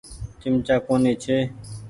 چمچآ ڪونيٚ ڇي۔